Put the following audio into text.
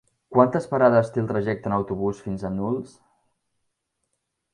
Quantes parades té el trajecte en autobús fins a Nulles?